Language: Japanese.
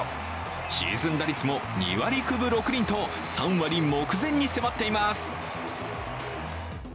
シーズン打率も２割９分６厘と３割目前に迫っています。